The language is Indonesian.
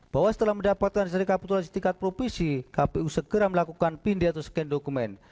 bahwa setelah mendapatkan hasil rekapitulasi tingkat provinsi kpu segera melakukan pindih atau scan dokumen